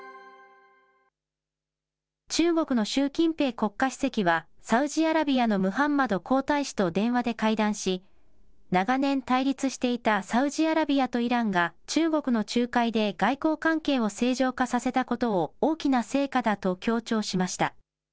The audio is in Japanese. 中国の習近平国家主席は、サウジアラビアのムハンマド皇太子と電話で会談し、長年対立していたサウジアラビアとイランが、中国の仲介で外交関係を正常化させたことを大きな成果だと強調しました。